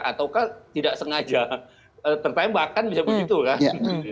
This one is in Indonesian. ataukah tidak sengaja tertembakan bisa begitu kan